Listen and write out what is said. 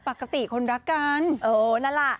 ปกติคนรักกันเออนั่นแหละ